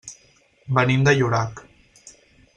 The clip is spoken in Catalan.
Venim de Llorac.